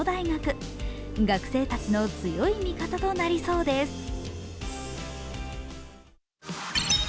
学生たちの強い味方となりそうです。